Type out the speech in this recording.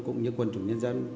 cũng như quân chủ nhân dân